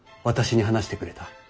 私に話してくれた。